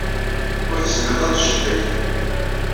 Ur tezmireḍ ad teččeḍ dayi.